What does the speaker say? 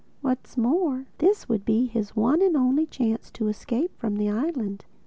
What's more this would be his one and only chance of escape from the island.